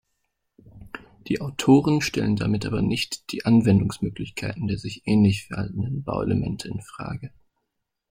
Die Autoren stellen damit aber nicht die Anwendungsmöglichkeiten der sich ähnlich verhaltenden Bauelemente infrage.